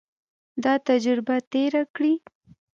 دا تجربه تېره کړي.